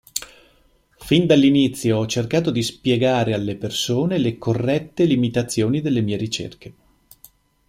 Fin dall'inizio ho cercato di spiegare alle persone le corrette limitazioni delle mie ricerche.